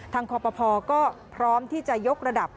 ทางครอบครัวพอก็พร้อมที่จะยกระดับ